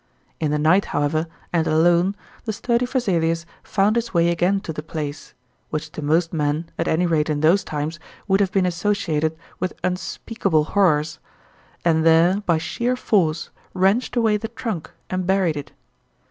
In the night, however, and alone, the sturdy Vesalius found his way again to the place which to most men, at any rate in those times, would have been associated with unspeakable horrors and there, by sheer force, wrenched away the trunk, and buried it.